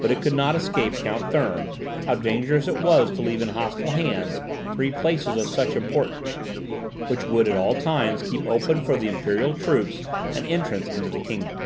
But it could not escape Count Thurn, how dangerous it was to leave in hostile hands three places of such importance, which would at all times keep open for the imperial troops an entrance into the kingdom.